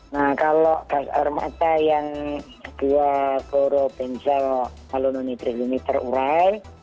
nah kalau gas air mata yang dua kloro benzel alununitri ini terurai